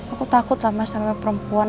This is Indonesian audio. aku takut lah mas sama perempuan